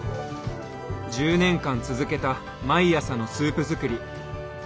１０年間続けた毎朝のスープ作り。